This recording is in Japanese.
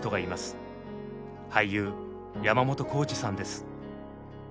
俳優山本耕史さんです。